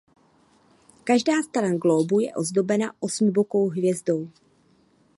Každá stran glóbu je ozdobena osmibokou hvězdou.